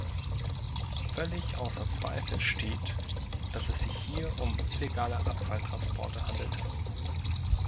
Völlig außer Zweifel steht, dass es sich hier um illegale Abfalltransporte handelte.